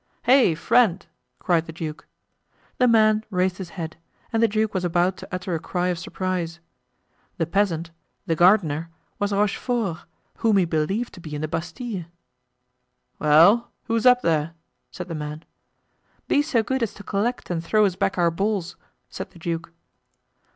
"Hey, friend!" cried the duke. The man raised his head and the duke was about to utter a cry of surprise. The peasant, the gardener, was Rochefort, whom he believed to be in the Bastile. "Well? Who's up there?" said the man. "Be so good as to collect and throw us back our balls," said the duke.